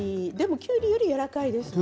きゅうりより癖がないですね。